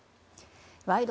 「ワイド！